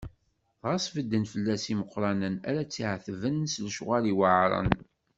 Dɣa sbedden fell-as imeqqranen ara t-iɛetben s lecɣal iweɛṛen.